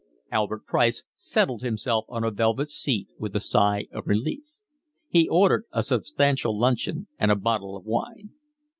Albert Price settled himself on a velvet seat with a sigh of relief. He ordered a substantial luncheon and a bottle of wine.